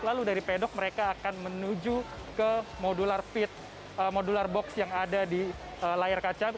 lalu dari pedok mereka akan menuju ke modular fit modular box yang ada di layar kaca